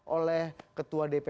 oleh ketua dprd